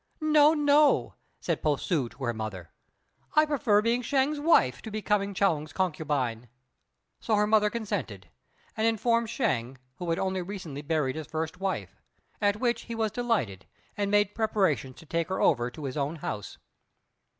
"No, no," said Po ssŭ to her mother, "I prefer being Shêng's wife to becoming Chuang's concubine." So her mother consented, and informed Shêng, who had only recently buried his first wife; at which he was delighted and made preparations to take her over to his own house.